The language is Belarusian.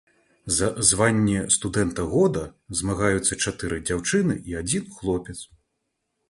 За званне студэнта года змагаюцца чатыры дзяўчыны і адзін хлопец.